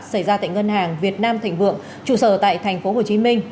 xảy ra tại ngân hàng việt nam thịnh vượng trụ sở tại tp hcm